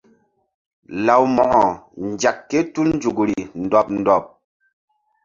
Law Mo̧ko nzek ké tul nzukri ndɔɓ ndɔɓ.